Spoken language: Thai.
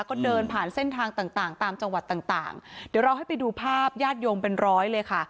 ก็เดินผ่านเส้นทางต่างต่างตามจังหวัดต่างต่างเดี๋ยวเราให้ไปดูภาพญาติโยมเป็นร้อยเลยค่ะ